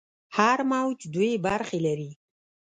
هر موج دوې برخې لري.